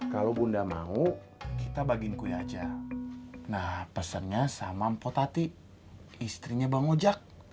kalau bunda mau kita bagi kuy aja nah pesennya sama mpotati istrinya bang ojek